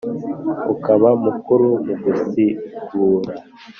Ukaba mukuru mu gusigura